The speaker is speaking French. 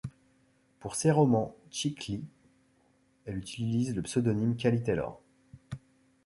Pour ses romans chick lit, elle utilise le pseudonyme Cally Taylor.